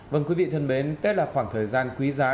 vâng quý vị thân mến tết là khoảng thời gian quý giá